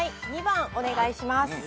２番お願いします。